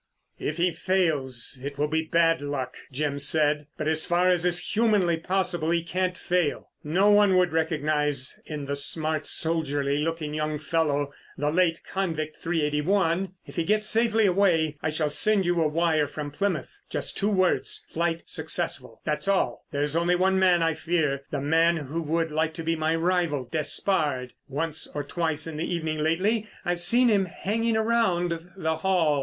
"If he fails it will be bad luck," Jim said. "But as far as is humanly possible he can't fail. No one would recognise in the smart, soldierly looking young fellow the late Convict 381. If he gets safely away I shall send you a wire from Plymouth—just two words: 'Flight successful,' that's all. There's only one man I fear: the man who would like to be my rival—Despard. Once or twice in the evening lately I've seen him hanging around The Hall.